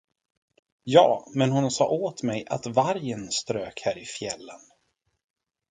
Ja, men han sa åt mej, att vargen strök här i fjällen.